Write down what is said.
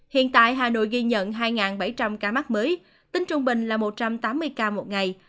hiện tại hà nội ghi nhận hai bảy trăm linh ca mắc mới tính trung bình là một trăm tám mươi ca một ngày